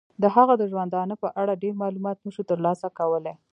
د هغه د ژوندانه په اړه ډیر معلومات نشو تر لاسه کولای.